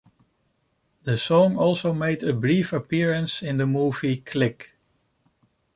The song also made a brief appearance in the movie "Click".